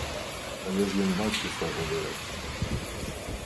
Але ж ён бацькі свайго выракся.